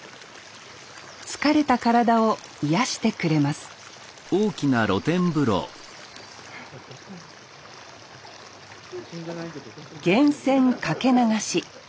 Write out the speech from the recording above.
疲れた体を癒やしてくれます源泉掛け流し。